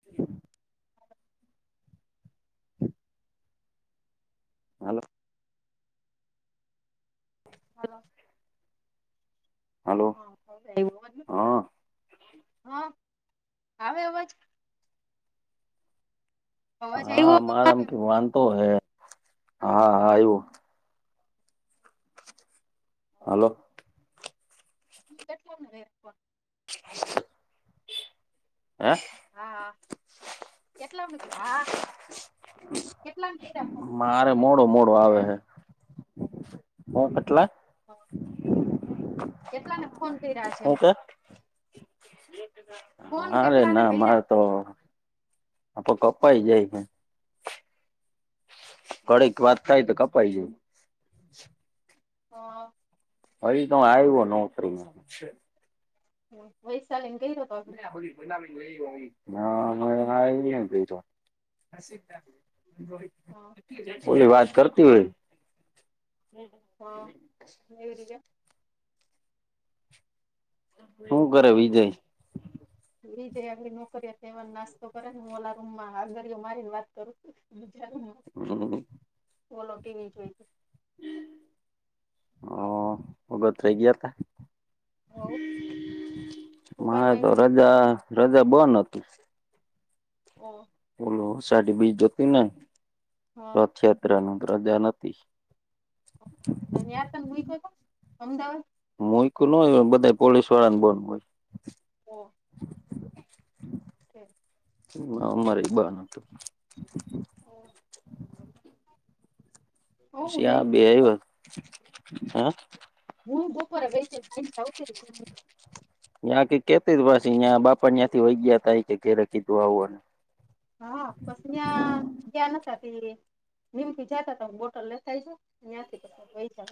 [inaudible] હાલો હા હલો હા હવે હા આવે અવાજ? અવાજ હા આવ્યો હવે મારે આમ મારો કે વાંધો હે હા હા આવું હાલો કેટલા [unintelligible] ર્ફોન [inaudible] હે હા કેટલા મિત્ર હા કેટલા કર્યા મારે મોડો મોડો આવે હે એટલા કેટલાને ફોન કર્યા આજે? ફોન ના રે કેટલાને ના કર્યા મારે હા હા તો કપાઈ જાય હે ઘડીક વાત થાય તો કપાઈ જાય. હા ફરી તો આવ્યો નોકરી એ વૈશાલીને કર્યો હતો અભી હા [unintelligible] રોહિત હા બોલી વાત કરતી હોય હા એવી રીતે શું કરે વિજય વિજય આવીલી નોકરી એવા નાસ્તો કરે ને હું ઓલા રૂમમાં આંગરીઓ મારી ને વાત કરું બીજા રૂમમાં હમમ ઓલું ટીવી જોવે હા ભગત થઈ ગયા હતા. હોવ તું કાનો મારે તો આવ્યો રજા રજા બન હતી ઓ ઓલો અષાઢી બીજ હતી ને હા રથયાત્રા ની રજા નથી [unintelligible] મૂક્યું તો અમદાવાદ મોયક નું હોય બધા પોલીસ વાળાને બોહ હોય. હા કે હમણાં અમારે બન હતું. ઓ હું પછી ગઈ બે વાત હા હું બપોરે ગઈ તી સાંજે આવતી રહી યાં કે કેતી જ ભસેયાં બાપા ને યાંથી વઈ ગયા તાય કે ઘેરે કીધું આવુંને હા પસ ત્યાં ગયા નથી થી નિમકી જતા તો હ બોટલ લેતા જાઉ ત્યાંથી પછી ઈજા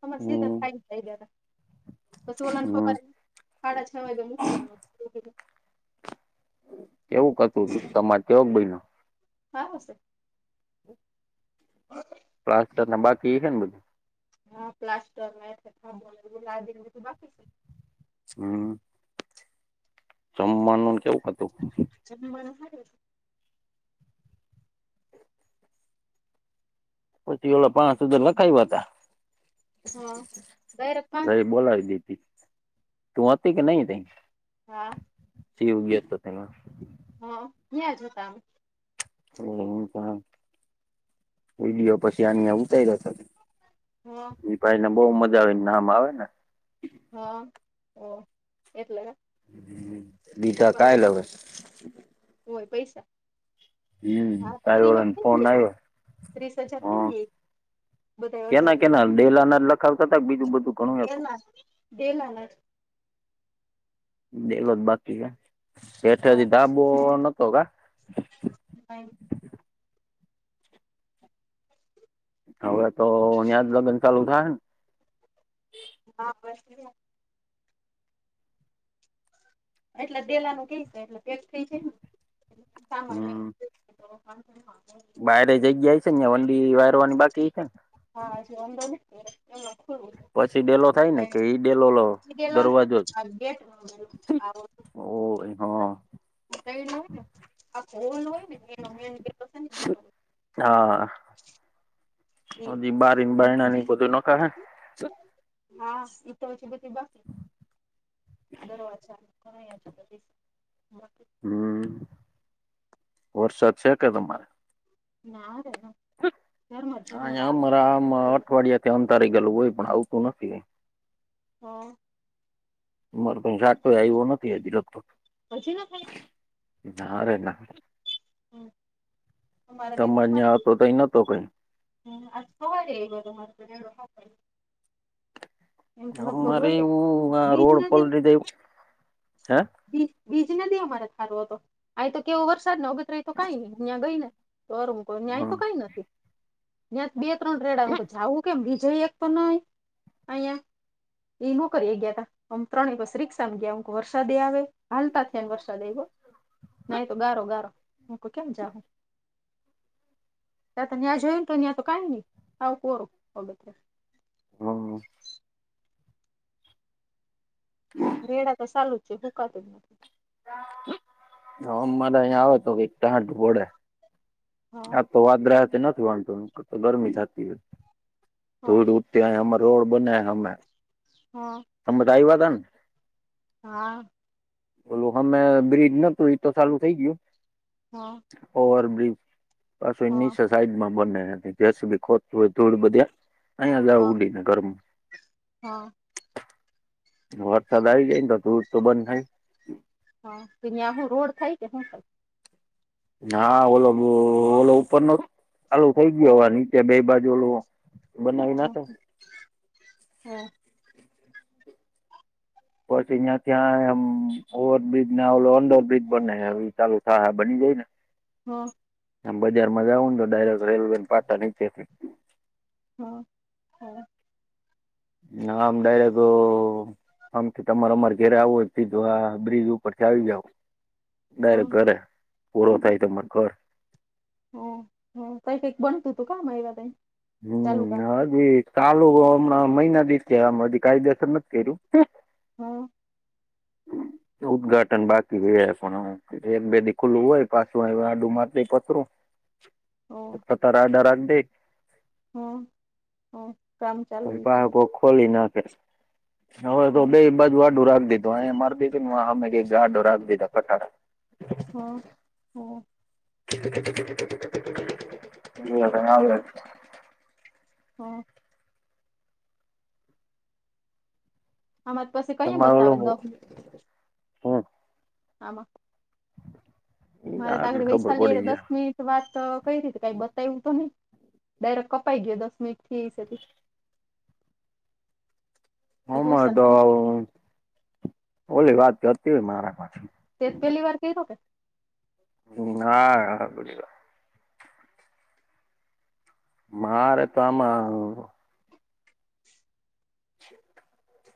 તમાર સીધ હમ થાય જાય હમ [unintelligible] સાડા છ વાગે મૂકવાનું એવું કતું ત તમારે તેવક બાઈને. હા હશે. હા. પ્લાસ્ટર ના બાકી છે ને બધું. હા પ્લાસ્ટર લ ખલ બ લા દે તું બાકી સ [unintelligible] હમ. જમવાનું કેવું હતું. જબર [unintelligible] પછી ઓલા પાંચ હજર લખાવ્યા હતા. હા ડાયરેક્ટ પાંચ અરે બોલાવી દી હતી તું હતી કે નહી ત હા. સી હ ઉગી એત તના હ ત્યાં જોતામે એ હું ત કોઈલીયો પછી આની ઉતારી્યા હા. એ ભાઈ ને બહુ મજા આવે ને નામ આવે ને. હા ઓ એટલે દીધા પપ્પા લ કાલ હવે હોય પૈસા. હમ હા તારી ત્રી ઓલા ને હપ્તે ફોન દએ આવ્યો ત્રીસ હજપ હ બતાવો. કેના ના કેનાલ દેલાના લખાવતા બીજું બધું. ઘણું હતું એેના દે લ ના. બેલો જ બાકી છે હેઠથી ધાબો નતો કા હ. હવે તો અહીં જ લગ્ન ચાલુ થાય ને. હા બસ. એટલે દેલા નું ક છે એટલે પેક થઇ છે ને સામાળ હા. વારે જગ્યા છે ને વંડી વાયરવાની બાકી છે ને. હા શનોન. એલો ખોડું પછી ડેલો થાય છે ને કે ઈ ડેલો લો દરવાજો જ ભધેલોનેેટ આવો. ઓ હા. ઉતાઈ ના હોય ને આ હોોલ હોય ને. એ મમનીલો છે ને મોટો હા હ િમબાણ બધું નખા હે. હા તવછ બ બાકી. દરવાજા છેછ. હમ વરસાદ છે કે તમારે. ના ર હા અમારા આમ છે. અઠવાડિયાથી અન તારી ગેલું હોય પણ આવતું નથી. હા. મારે શાક તો આવ્યો નથી આજરતો. પછી ના થાય. ના ર ના. હમ મારે તંક તમારે ત્યાં પા હતો તઈ નતો કઈ હમ ખવા રે એ. અમારે હોય જ એવું આ બીજ રોડ પલ રધવું હે. બીજ બીજ નથી અમારે સારું હતો આ તો કેવો વરસાદ નને અગતરાય તો કઈ અ્યાં ગઈ ને. કર હું ન્યાય તો હમ કઈ નથી. ત્યાં બે ત્રણ ર્રેડાું જાવું કેમ બીજય એક પણ નય. અં એ નોકરી એ ગયા તા આમ ત્રણ વસ રિક્ષા ગયા હુંક વર્ષ. વરસાદે આવે હાલતા થયા ને વરસાદ એવ્યો નાય તો ગારો ગારો હું તો કેમ જાઉં. ત્યાં તો ન્યા જોઈને તો ન્યા તો કઈ નહી આવું કોરું અગત. હમ. હા. વેડા તો ચાલુ જ છે ભૂકાત જ નથી. હ મારા અહીયા આવે તો ક તબોડે. ત્યાં આ તો વાદરા તે નથી વાંધતું તો ગરમી થતી હોય થ. ત્યાં હ રોડ બને હૈ હમે હા સમજ આવ વા ત ને. હા બોલો હમે બ્રિજ નતું જ તો ચાલુ થઈ ગયું. હા. Over bridge. પાસોની સાઈડમાં બને જ્યાં સુ બી ખોતું હોય ધૂળ બધા. અહીંયા જ ઊંડી ને ઘરમ હા. વરસાદ આવી જાયને તો દૂધ તો બંધ થાય. હા કે જ્યાં હું રોડ થાય કે શું થ. હા ઓલો ઓલો ઉપર નો ચાલુ થઇ ગયો હ નીચે બે બાજુ ઓલો. હમ હમ પછી અહિયાં ત્યાં એમ ઓવરબ્ર્રીજ ના ઓલો અન્ડરબ્ર્રીજ બને એ ચાલુ થાય બની જાય ને.. હમ. આમ બજાર માં જાવું ને તો ડાયરેક્ટ રેલવે પાટા નીચેથી. હમ હા નામ ડાયરે્ટ. આમ કે તમારે અમારે ઘેરે આવો બ્રિજ ઉપર થી આવી જાવ. ડાયરેક્ટ ઘરે પૂરો થાય ત મને ઘર હ હ કઈ કઈક બનતું હતું ક મારીવાદ. ચાલુ હમ કામ હજ ચાલુ હમણાં મહિના દ થયા આધી કાયદેસર નથી કર્યું. હા ઉદ્ઘાટન બાકી હો પણ હ. એક બે દ ખુલ્લું હોય પાછું આડું મા પથરું. હમ તાર ડરા દે. હમ. હમ કામ ચાલુ વિશે પાકો પછી ખોલી નાખે હવે તો હમ બે બાજુ વાડું રાખી દીધું અહીયા મારી દ આમે ગ જાાડોર આગ બધા પઠાડ. હા હા. જી હ હા. અમારી પાસે કઈ તમારે બતાવે ઓલું દ હું આમાં. ઈ મારે તો આગળ આે ખબર વૈસાાલી પડી દસ જાય મિનિટ વાત કઈ રી કઈ બતાવું તો નહી ડાયરેક્ટ કપાઈ ગયો દસ મિનિટ થી સ. [inaudible] હમ તો ઉષા ઓોલી વાત હતી હોય મારા પાસે તે પહેલી વાર કઈ તો કે. હ હા હ બ. મારે તો આમાં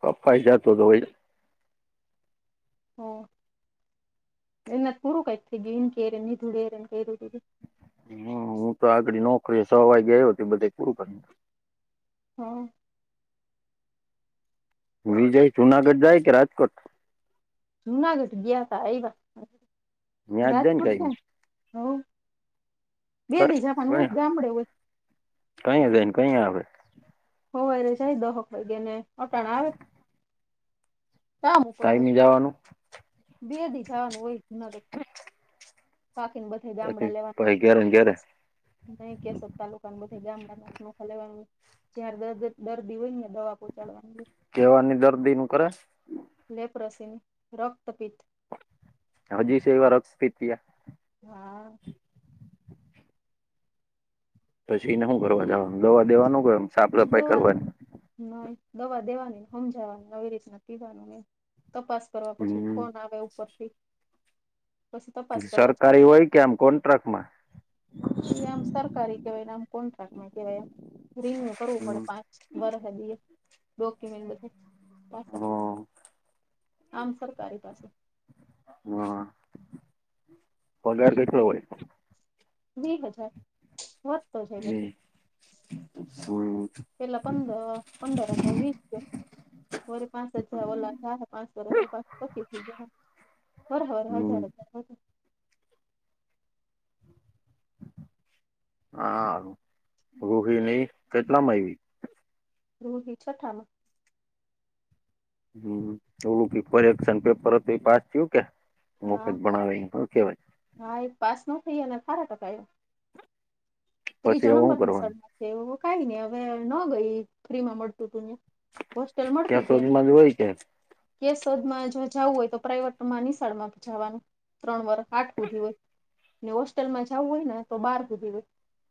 ક ફાયદતો તો હ એના પૂરું કઈ થ ગ ન કેર નિધુળ એરેન કઈ ર દી. હમ હું તો આગળ નોકરી સવારે ગયો હતી બધે પૂરું કરી. હા વિજય જુનાગઢ જાય કે રાજકોટ. જુનાગઢ ગયા ત એ ન્યાં જ જઈ ને રાજકોટ કઈ છે હ કર ગામડે હોય કઈ જઈને કઈ આવેે. હોય ર જાય દહક વાગે ને અટાણા આવે. કામ ઉપર હોય ટાઈમે જવાનું બે દી જવાનું હોય નાગર બાકીને બધા ગામડા પછી લેવાના પહી ઘેરે ને હોય. ઘેરે નહી કેસો તાલુકાું બધે ગામડા ન ન ખા લેવાનું. જાર દર્ દર્દી હોય ને દવા પહોંચાડવાની. કેવાની દર્દી નું કરે. લેપરોસિન રક્તપીઠ હજી છે એવા રક્ષપિત્યા. હા પછી એને શું કરવા જવાનું દવા દેવાનું કમ સાફ સફાઈ કરવા. ના દવા દેવાની સમજાવાની નવી રીતના પીવાની નહી. તપાસ કરવા પછી હમ ફોન આવે ઉપરથી. કશ તપાસ કરવા છ સરકારી હોય કે આમ કોન્ટ્રાક્ટમાં એ આમ સરારકારી કેવાય નામ કોણ રાાખ કેવાય. રિન્યુ કરવું પડે હમ પાંચ વર્ખદી ડોક્યુમેન્ટ બધ પાછ આમ સરકારી પાસે. હા પગાર બેઠલો હોય. વી હજાર બ પ હમ હમ પેલા પંદર પંદરસ વીસ વરી પાંચ હજાર ઓલા પાંચસો પા પકી થઈ જાય. હમ [unintelligible] હા [unintelligible] કેટલામાં આવી. રૂહી છઠામાં. હમ એલું પરેક્શન પેપર હતું એ પાસ થયું કે હા ભણાવ કેવાય. હા એ પાસ ન [unintelligible] ત્રીજો પછી હવે હું નંબરની કરવાનું શળમાં છે એવ કઈ નહી હવે ન ગઈ ફ્રી માં મળતું તું હોસ્ટેલ મળતી ત્યાં હતી. સુધીમાં જ હોય છે કેસોદમાં જો જવું હોય તો પ્રાઇવેટમાં નિશાળમાં જવાનું. ત્રણ વર આઠ હુધી હોય ને હોસ્ટેલમાં જવું હોય ને તો બાર હુધી હોય. [unintelligible]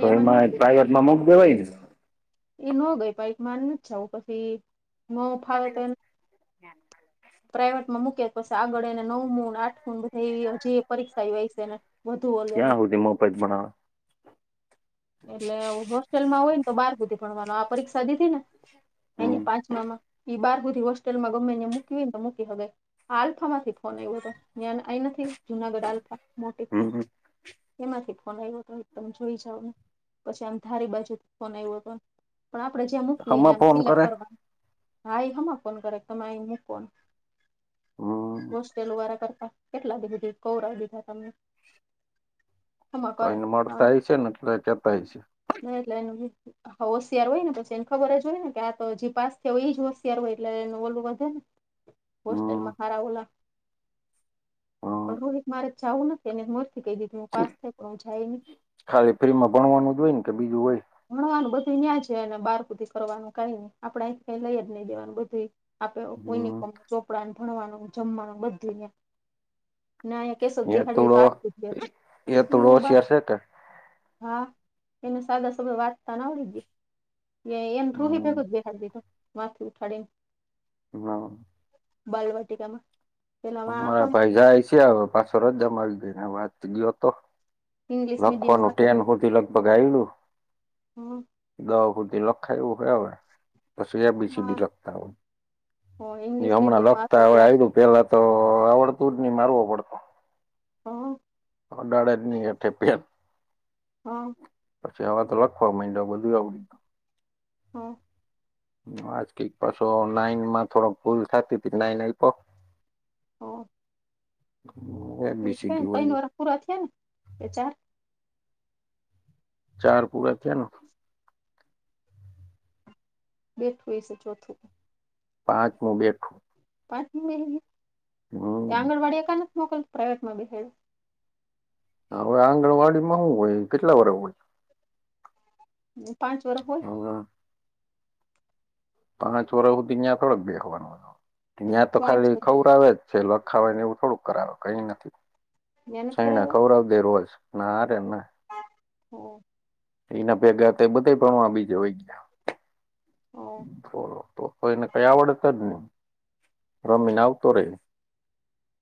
તો ન એમાં ગઈ પ્રઇવેટ માં મુક દેવાય એ ન ગઈ પાઈક [unintelligible] [inaudible] પ્રાઇવેટ માં મૂકે પછી આગળ એને નવમું આઠમું બધા જે પરીક્ષાય છેને. એયા [inaudible] એટલે હોસ્ટેલમાં હોય ને તો બાર હુધી ભણવાનો આ પરીક્ષા દીધી ને અને હમ પાંચમામાં ઈ બાર બુધી હોસ્ટેલમાં ગમે એ મૂક ને મૂકી હગાય આ આલ્ફામાંથી ફોન આવ્યો હતો. ત્યા આ નથી જુનાગઢ આલ્પ મોટી હમ એમાંથી ફોન આવ્યો તો એકદમ જોઈ જાવ ને પછી આમ ધારી બાજુ ફોન આવ્યો હતો પણ આપણે જેયા મૂકી ને આમાં ફોન સિલેક કરે કરવાનું. [inaudible] હમ હોસ્ટેલ વારા કરતા. કેટલાથી બધી કૌર દીધા તમને હમાં તો કરે એને મળતા હ છે ને કેતા હ છે. [unintelligible] હા હોશિયાર હોય ને પછી એને ખબર જ હોય ને કે આ તો હજી પાસ થયો હોય એ જ હોશિયાર હોય એટલે એનું ઓલવ વધે ને હમ હોસ્ટલમાં ખારઓલા હમ પણ રોહિત મારે ચાવું નથી એને મોરથી કઈ દીધી હું પાસ થઈ પણ હું જાય ખાલી ફ્રીમાં ભણવાનું જ હોય ને કે બીજું હોય? ભણવાનું બધું ન્યાં છે અને બહાર હુધી કરવાનું કઈ નઈ આપણે કઈ લઈ જ નહી દેવાનું બધું આપે યુનિફોર્મ, હમ ચોપડાને, ભણવાનું, જમવાનું બધું ન્યા ના અહીંયા કેસક એ થોડો બિહાડવી તો એ થોડો [inaudible] હોશિયાર છે કે હા એને સાદા સમય વાંચતાને આવડી ગે હમ [unintelligible] બે હાર દીટ માથે ઉઠાડીને. હા. બાલવાટીકામાં. અ મારા ભાઈ જાય છે હવે પાછળ રજા મા આવી ગઈ વાત ગયો હતો. ઇંગ્લિશ મીડિયમ લખવાનું હતો ટેન સુધી લગભગ આયેલુ. હમ દહ હુધી લખાયવું હવે. પછી એ બી સીડી લખતા હોય હા જે ઇંગ્લિશ હમણાં મીડિયમ હતો લખતા હોય ત્યાં આવું પેલા તો આવડતુ જ નઈ મારવો પડતો. હા. અડાડે જ ની હેઠે પેન. હા. પછી હવે તો લખવા મઈન્ડો બધું આવડી ગયું. હા. આજકી પાછો નાઈનમાં થોડોક ભૂલ થતી નાઈન આપ ઓ. [inaudible] એ હોય ટઇનવાર પૂરા થયા ને બે ચાર. ચાર પૂરા થયા. બેટ ફેસ ઓછો થીયો પાંચમું બેઠું. પાંચમુ બહી ગયું હમ આંગણવાડી કને મ મોકલ પ્રાઇવેટ માં ભ હડ. હા હવે આંગણવાડી માં શું હોય કેટલા વર હોય. બે પાંચ વરષ હોય. પાંચ વરહ હુધી ત્યાં થોડક બેહવાનું હતો યાં તો પાંચ ખાલી વર્ષ ખવર હોય આવે જ. છેલ લખાવવાય ને એવું થોડુંક કરાવે કઈ નથી ત્યાં નથી છયણા કવરવ દે રોજ. નારે ના કરાવ્યા એના ભેગા તે બધા પણણ આ બીજ હોય ગયા. હ બોલો તો તો એને કઈ આવડત જ ને હ હ રમીને આવતો રે.